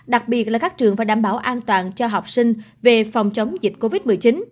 đặc biệt là các trường phải đảm bảo an toàn cho học sinh về phòng chống dịch covid một mươi chín